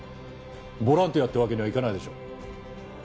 ボランティアってわけにはいかないでしょ。